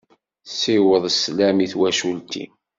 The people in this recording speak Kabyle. Siweḍ sslam i twacult-im.